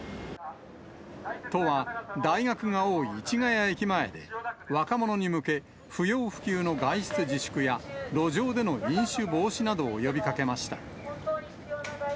都は大学が多い市ヶ谷駅前で、若者に向け、不要不急の外出自粛や、路上での飲酒防止などを呼びかけました。